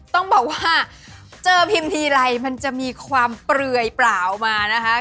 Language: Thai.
ต้องบอกว่าเจอพิมพ์ทีไรมันจะมีความเปลือยเปล่ามานะคะ